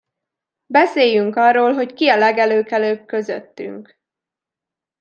Beszéljünk arról, hogy ki a legelőkelőbb közöttünk!